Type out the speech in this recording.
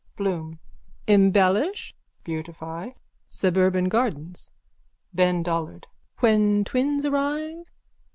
BLOOM: Embellish (beautify) suburban gardens. BEN DOLLARD: When twins arrive?